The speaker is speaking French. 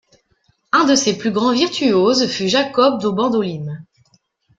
Un de ses plus grand virtuose fut Jacob do Bandolim.